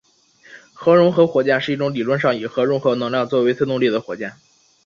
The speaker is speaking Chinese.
核融合火箭是一种理论上以核融合能量作为推动力的火箭。